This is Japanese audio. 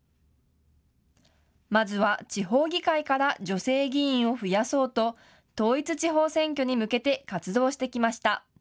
まずは地方議会から女性議員を増やそうと統一地方選挙に向けて活動してきました。